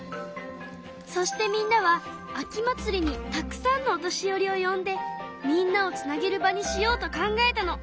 そしてみんなは秋祭りにたくさんのお年寄りをよんでみんなをつなげる場にしようと考えたの。